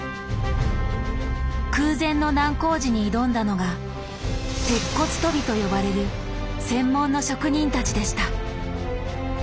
空前の難工事に挑んだのが「鉄骨とび」と呼ばれる専門の職人たちでした。